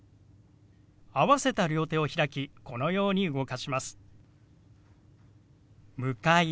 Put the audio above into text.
合わせた両手を開きこのように動かします。